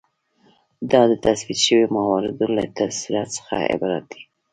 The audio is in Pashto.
دا د تثبیت شویو مواردو له صورت څخه عبارت دی.